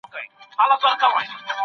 څنګه ګډي ژبي د تفاهم لامل کیږي؟